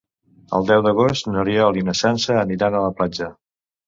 El deu d'agost n'Oriol i na Sança aniran a la platja.